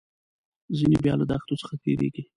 ځینې بیا له دښتو څخه تیریږي.